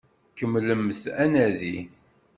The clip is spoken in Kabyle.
Kemmlemt anadi!